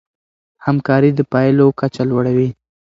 همکاري د پايلو کچه لوړوي.